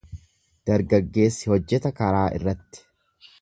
Dargaggeessi hojjeta karaa irratti.